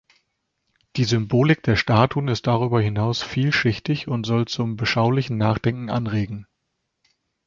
Die Symbolik der Statuen ist darüber hinaus vielschichtig und soll zum beschaulichen Nachdenken anregen.